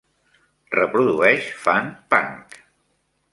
Reprodueix fun-punk.